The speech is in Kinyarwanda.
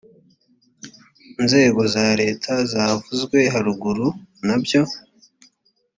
nzego za leta zavuzwe haruguru nabyo